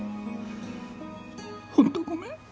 ホントごめん。